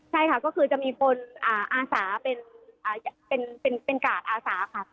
ใช่ค่ะก็คือจะมีคนอาสาเป็นกาดอาสาค่ะ